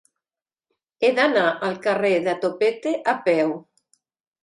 He d'anar al carrer de Topete a peu.